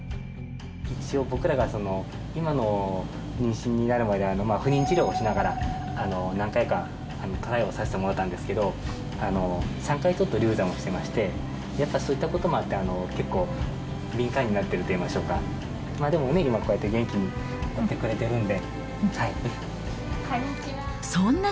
一応、僕らが今の妊娠に至るまで不妊治療をしながら、何回かトライをさせてもらったんですけど、３回ちょっと流産をしてまして、やっぱそういったこともあって、結構敏感になってるといいましょうか、でも今、こうやって元気にいてくれてるんで。